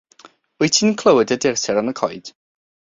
Wyt ti'n clywed y durtur yn y coed?